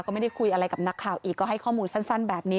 ก็ไม่ได้คุยอะไรกับนักข่าวอีกก็ให้ข้อมูลสั้นแบบนี้